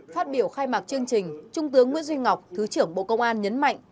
phát biểu khai mạc chương trình trung tướng nguyễn duy ngọc thứ trưởng bộ công an nhấn mạnh